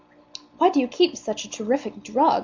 "Why do you keep such a terrific drug?"